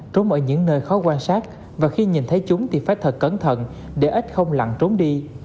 trú ở những nơi khó quan sát và khi nhìn thấy chúng thì phải thật cẩn thận để ít không lặn trốn đi